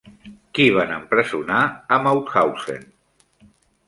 Qui van empresonar a Mauthausen?